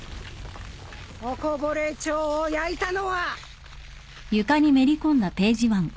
おこぼれ町を焼いたのは！